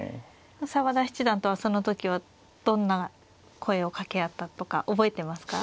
澤田七段とはその時はどんな声を掛け合ったとか覚えてますか。